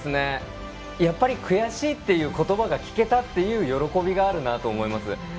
やっぱり悔しいという言葉が聞けたという喜びがあるなと思います。